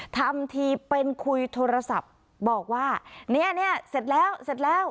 ทำทีเป็นคุยโทรศัพท์บอกว่าเนี่ยเสร็จแล้วเสร็จแล้ว